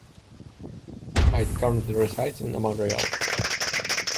Boyd currently resides in Montreal.